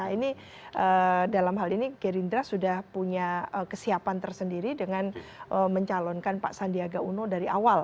ini dalam hal ini gerindra sudah punya kesiapan tersendiri dengan mencalonkan pak sandiaga uno dari awal